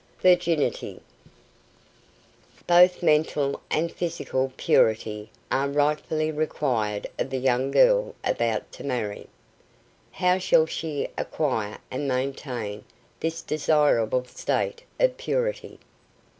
VIRGINITY Both mental and physical purity are rightfully required of the young girl about to marry. How shall she acquire and maintain this desirable state of purity?